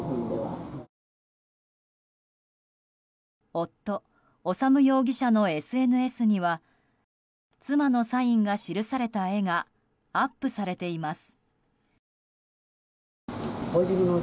夫・修容疑者のＳＮＳには妻のサインが記された絵がアップされています。